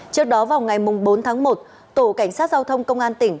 trước đó vào ngày bốn tháng một tổ cảnh sát giao thông công an tỉnh